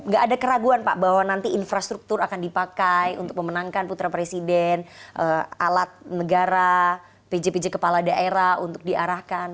gak ada keraguan pak bahwa nanti infrastruktur akan dipakai untuk memenangkan putra presiden alat negara pj pj kepala daerah untuk diarahkan